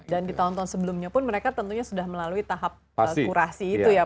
dan di tahun tahun sebelumnya pun mereka tentunya sudah melalui tahap kurasi itu ya pak ya